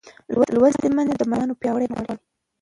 لوستې میندې د ماشوم پیاوړی بدن غواړي.